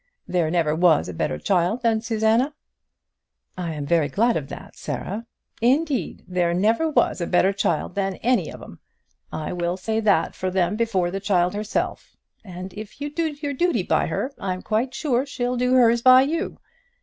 There never was a better child than Susanna." "I am very glad of that, Sarah." "Indeed, there never was a better child than any of 'em; I will say that for them before the child herself; and if you do your duty by her, I'm quite sure she'll do hers by you.